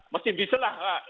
mesti bisa lah ya